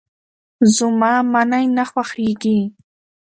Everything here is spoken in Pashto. زما منی نه خوښيږي.